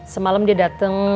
semalam dia dateng